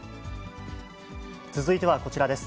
続いてはこちらです。